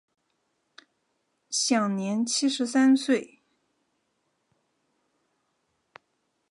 享年七十三岁。